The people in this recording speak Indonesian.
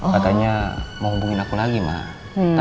katanya mau hubungin aku lagi mah